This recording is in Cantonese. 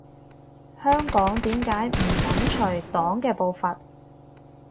香港點解唔緊隨黨嘅步伐？